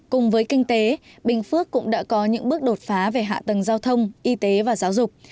cùng với kinh tế bình phước cũng đã có những bước đột phá về hạ tầng giao thông y tế và giáo dục